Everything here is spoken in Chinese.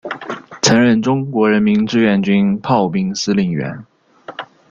曾任中国人民志愿军炮兵司令员。